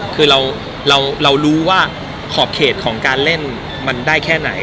คือเรารู้ว่าขอบเขตของการเล่นมันได้แค่ไหน